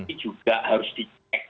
ini juga harus dicek